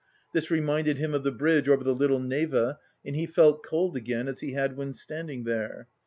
This reminded him of the bridge over the Little Neva and he felt cold again as he had when standing there.